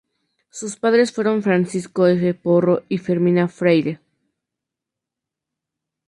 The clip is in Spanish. Sus padres fueron Francisco F. Porro y Fermina Freire.